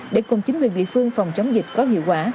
để cùng chính quyền địa phương phòng chống dịch có hiệu quả